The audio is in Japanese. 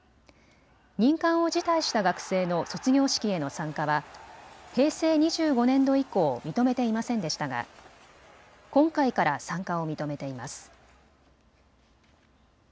任官を辞退した学生の卒業式への参加は平成２５年度以降認めていませんでしたが今回から参加を認めています。